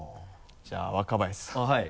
じゃあ若林さん。はい。